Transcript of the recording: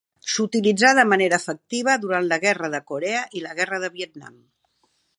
S'utilitzà de manera efectiva durant la Guerra de Corea i la Guerra del Vietnam.